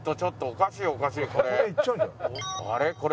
あれ？